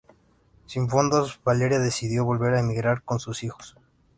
Sin fondos, Valeria decidió volver a emigrar con sus hijos.